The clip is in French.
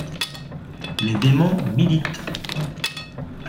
Les démons militent.